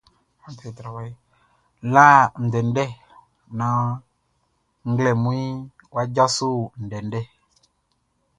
La ndɛndɛ naan nglɛmunʼn wʼa djaso ndɛndɛ.